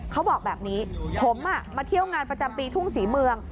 เขาบอกแบบนี้ผมมาเที่ยวงานประจำปีทุ่งศรีเมือง